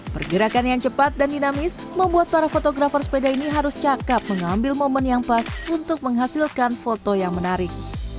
pergerakan yang cepat dan dinamis membuat para fotografer sepeda ini harus cakep mengambil momen yang pas untuk menghasilkan foto yang menarik